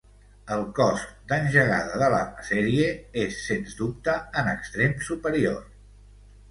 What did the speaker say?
El cost d'engegada de la sèrie és, sens dubte en extrem superior.